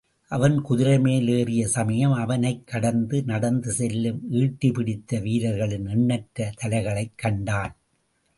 அவன் குதிரை மேல் ஏறிய சமயம் அவனைக் கடந்து நடந்து செல்லும் ஈட்டிபிடித்த வீரர்களின் எண்ணற்ற தலைகளைக் கண்டான்.